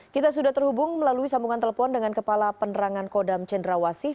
kita sudah terhubung melalui sambungan telepon dengan kepala penerangan kodam cendrawasih